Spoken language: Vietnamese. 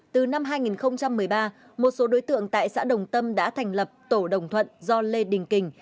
từ năm hai nghìn một mươi ba một số đối tượng tại xã đồng tâm đã thành lập tổ đồng thuận do lê đình kình